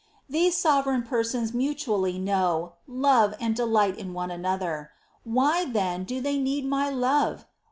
These Sovereign Persons mutually know, love, and delight in one another. Why, then, do they need my love